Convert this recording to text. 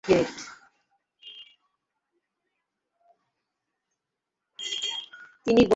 তিনিই বরানগরের মঠের সব খরচপত্র বহন করতেন।